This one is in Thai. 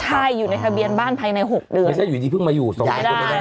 ใช่อยู่ในทะเบียนบ้านภายใน๖เดือนไม่ได้อยู่ดีเพิ่งมาอยู่๒ประเภทก็ได้